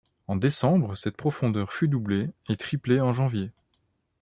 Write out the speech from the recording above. En décembre, cette profondeur fut doublée, et triplée en janvier.